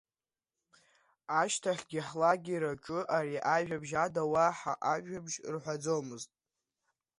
Ашьҭахьы ҳлагер аҿы ари ажәабжь ада уаҳа ажәабжь рҳәаӡомызт.